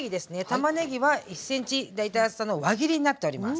たまねぎは１ｃｍ大体厚さの輪切りになっております。